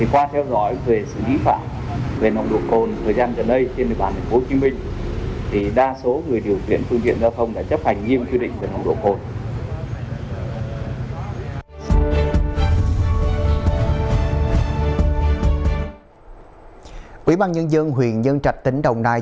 quỹ ban nhân dân huyện nhân trạch tỉnh đồng nai